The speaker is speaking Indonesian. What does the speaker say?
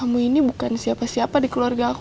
kamu ini bukan siapa siapa di keluarga aku